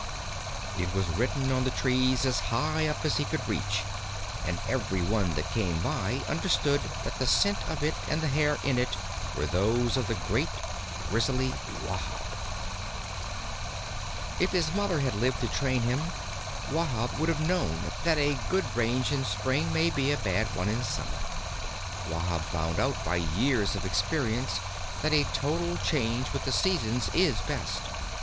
It was written on the trees as high up as he could reach, and every one that came by understood that the scent of it and the hair in it were those of the great Grizzly Wahb. If his Mother had lived to train him, Wahb would have known that a good range in spring may be a bad one in summer. Wahb found out by years of experience that a total change with the seasons is best.